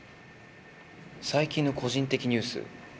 最近の個人的ニュース。